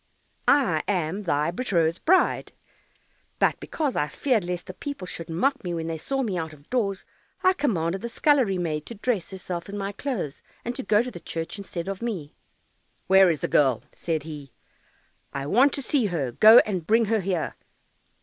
"I am thy betrothed bride, but because I feared lest the people should mock me when they saw me out of doors, I commanded the scullery maid to dress herself in my clothes, and to go to church instead of me." "Where is the girl?" said he; "I want to see her, go and bring her here."